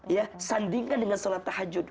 ya sandingkan dengan sholat tahajud